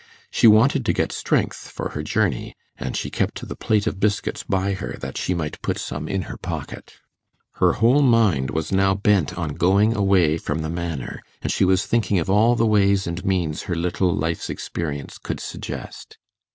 She wanted to get strength for her journey, and she kept the plate of biscuits by her that she might put some in her pocket. Her whole mind was now bent on going away from the Manor, and she was thinking of all the ways and means her little life's experience could suggest.